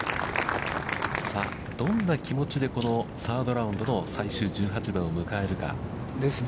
さあ、どんな気持ちでこのサードラウンドの最終１８番を迎えるか。ですね。